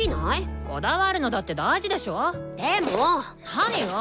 何よ！